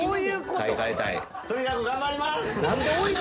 とにかく頑張ります！